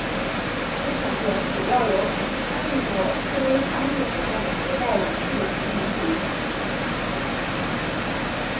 其成员主要由曾参与过示威抗议活动的携带武器的平民组成。